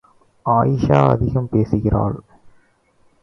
அயீஷா அதிகம் பேசுகிறாள்.